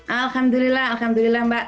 alhamdulillah alhamdulillah mbak